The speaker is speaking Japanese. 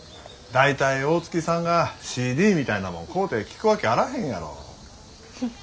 大体大月さんがＣＤみたいなもん買うて聴くわけあらへんやろ。